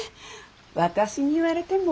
私に言われても。